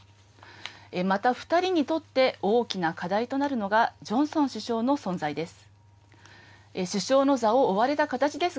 また、２人にとって大きな課題となるのがジョンソン首相の存在です。